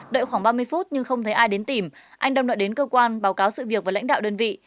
đợi khoảng ba mươi phút nhưng không thấy ai đến tìm anh đồng đội đến cơ quan báo cáo sự việc và lãnh đạo đơn vị